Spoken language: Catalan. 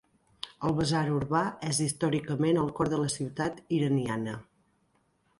El basar urbà és històricament el cor de la ciutat iraniana.